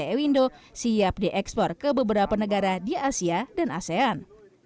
ewindo siap diekspor ke beberapa negara di asia dan asean